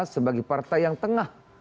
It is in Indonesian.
sebagai partai yang tengah